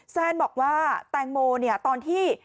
แซนบอกว่าแตงโมตอนที่